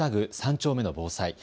３丁目の防災。